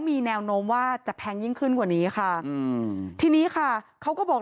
มีแนวโน้มว่าจะแพงยิ่งขึ้นกว่านี้ค่ะอืมทีนี้ค่ะเขาก็บอก